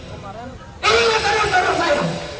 ingatkan dulu saudara saya